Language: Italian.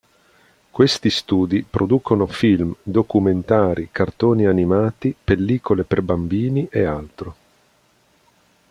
Questi studi producono film, documentari, cartoni animati, pellicole per bambini e altro.